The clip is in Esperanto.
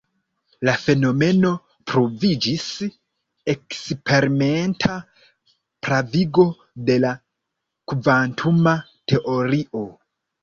La fenomeno pruviĝis eksperimenta pravigo de la kvantuma teorio.